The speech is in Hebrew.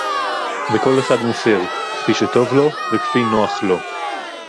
וכל אחד מוסר כפי שטוב לו וכפי נוח לו